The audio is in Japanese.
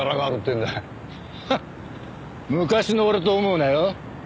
昔の俺と思うなよ。